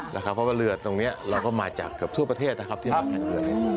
เพราะว่าเรือตรงนี้เราก็มาจากเกือบทั่วประเทศนะครับที่มาแข่งเรือ